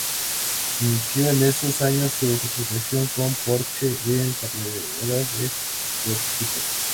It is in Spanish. Inició en esos años su participación con Porsche en carreras de prototipos.